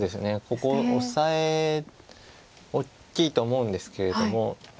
ここオサエ大きいと思うんですけれども。